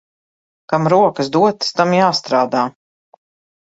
Kam rokas dotas, tam jāstrādā.